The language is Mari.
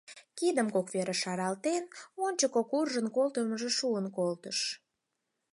Кидым кок велыш шаралтен, ончыко куржын колтымыжо шуын колтыш.